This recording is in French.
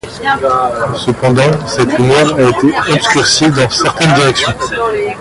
Cependant, cette lumière a été obscurcie dans certaines directions.